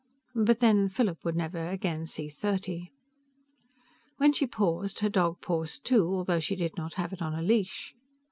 But then, Philip would never again see thirty. When she paused, her dog paused too, although she did not have it on a leash.